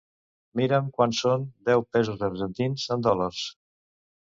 Mira'm quant són deu pesos argentins en dòlars.